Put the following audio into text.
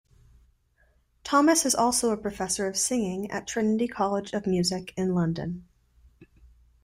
Thomas is also a Professor of Singing at Trinity College of Music in London.